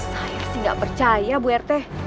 saya sih nggak percaya bu rt